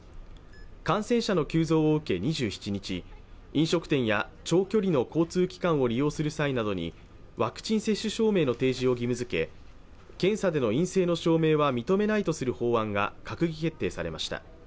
感染者の急増を受け２７日、飲食店や長距離の交通機関を利用する際などにワクチン接種証明の提示を義務づけ検査での陰性の証明は認めないとする法案が閣議決定されました。